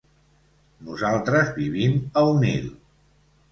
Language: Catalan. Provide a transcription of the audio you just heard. Nosaltres vivim a Onil.